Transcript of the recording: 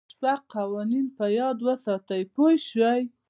د ژوند شپږ قوانین په یاد وساتئ پوه شوې!.